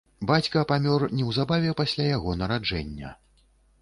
Бацька памёр неўзабаве пасля яго нараджэння.